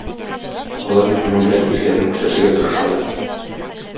Алар бит моның белән үзләрен күрсәтергә тырышалар.